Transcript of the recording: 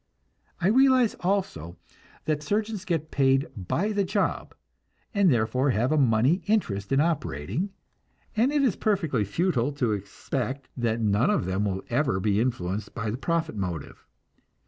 I realize, also, that surgeons get paid by the job, and therefore have a money interest in operating, and it is perfectly futile to expect that none of them will ever be influenced by the profit motive.